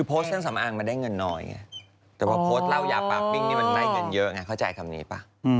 เพราะว่าโพสต์เล่าหยาปรับปริงนี่มันไหลเงินเยอะไงเข้าใจคำนี้ป่ะ